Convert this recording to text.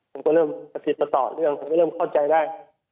ผมก็เริ่มประติดประต่อเรื่องผมก็เริ่มเข้าใจได้